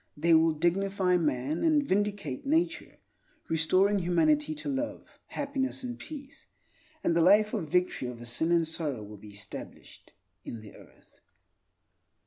They will dignify man, and vindicate nature, restoring humanity to love, happiness, and peace; and the life of victory over sin and sorrow will be established in the earth.